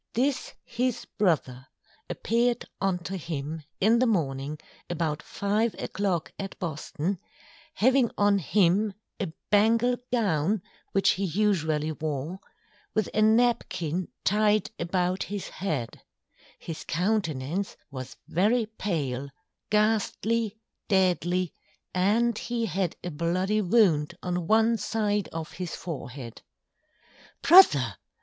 This his Brother appear'd unto him, in the Morning about Five a Clock at Boston, having on him a Bengal Gown, which he usually wore, with a Napkin tyed about his Head; his Countenance was very Pale, Gastly, Deadly, and he had a bloody Wound on one side of his Fore head. _Brother!